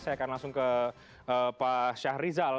saya akan langsung ke pak syahrizal